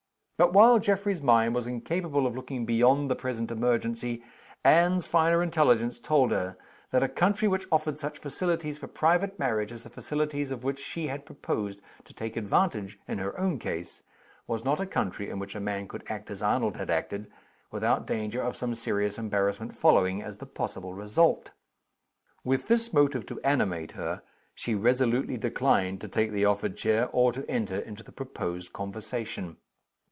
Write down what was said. But, while Geoffrey's mind was incapable of looking beyond the present emergency, Anne's finer intelligence told her that a country which offered such facilities for private marriage as the facilities of which she had proposed to take advantage in her own case, was not a country in which a man could act as Arnold had acted, without danger of some serious embarrassment following as the possible result. With this motive to animate her, she resolutely declined to take the offered chair, or to enter into the proposed conversation.